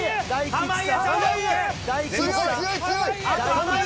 濱家。